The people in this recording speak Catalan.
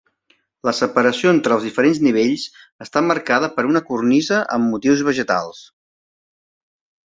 La separació entre els diferents nivells està marcada per una cornisa amb motius vegetals.